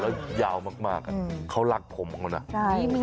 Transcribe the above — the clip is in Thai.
แล้วยาวมากเขารักผมของเขานะ